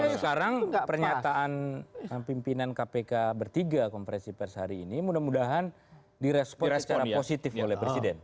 sekarang pernyataan pimpinan kpk bertiga kompresi pers hari ini mudah mudahan di respon secara positif oleh presiden